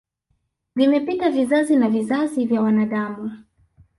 Vimepita vizazi na vizazi vya wanadamu